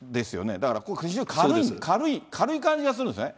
だから非常に軽い、軽い感じがするんですね。